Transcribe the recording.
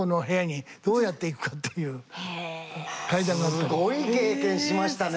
すごい経験しましたね。